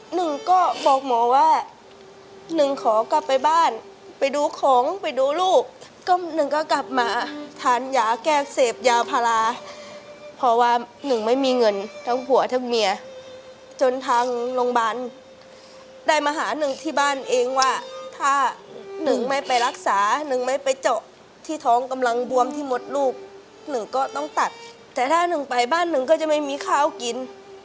หนึ่งก็บอกหมอว่าหนึ่งขอกลับไปบ้านไปดูของไปดูลูกก็หนึ่งก็กลับมาทานยาแก้เสพยาพาราเพราะว่าหนึ่งไม่มีเงินทั้งผัวทั้งเมียจนทางโรงพยาบาลได้มาหาหนึ่งที่บ้านเองว่าถ้าหนึ่งไม่ไปรักษาหนึ่งไม่ไปเจาะที่ท้องกำลังบวมที่หมดลูกหนึ่งก็ต้องตัดแต่ถ้าหนึ่งไปบ้านหนึ่งก็จะไม่มีข้าวกิน